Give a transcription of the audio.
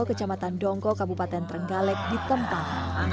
kecamatan dongko kabupaten trenggale ditempah